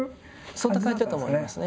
そんな感じだと思いますね。